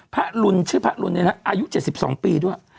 พระลุนชื่อพระลุนนะฮะอายุ๗๒ปีด้วย